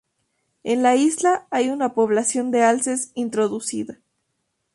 En la isla hay una población de alces introducida.